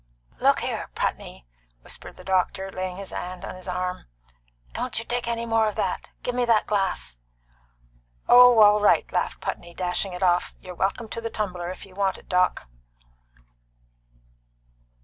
"Look here, Putney," whispered the doctor, laying his hand on his arm, "don't you take any more of that. Give me that glass!" "Oh, all right!" laughed Putney, dashing it off. "You're welcome to the tumbler, if you want it, Doc."